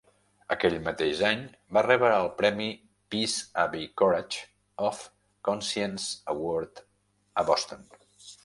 Aquell mateix any, va rebre el premi Peace Abbey Courage of Conscience Award a Boston.